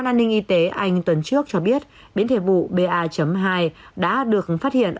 cơ quan an ninh y tế anh tuần trước cho biết biến thể phụ ba hai đã được phát hiện